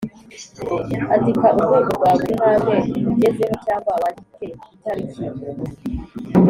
andika urwego rwa buri ntambwe ugezeho cyangwa wandike itariki